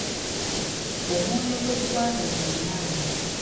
Omwoyo gwe ggwanga ge maanyi.